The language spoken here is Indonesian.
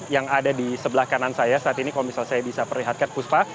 yang ada di sebelah kanan saya saat ini kalau misalnya saya bisa perlihatkan puspa